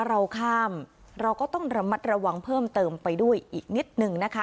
เราข้ามเราก็ต้องระมัดระวังเพิ่มเติมไปด้วยอีกนิดหนึ่งนะคะ